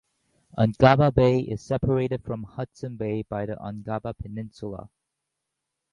Ungava Bay is separated from Hudson Bay by the Ungava Peninsula.